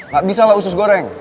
nggak bisa lah usus goreng